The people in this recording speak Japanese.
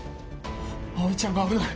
葵ちゃんが危ない。